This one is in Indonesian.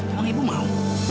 emang ibu mau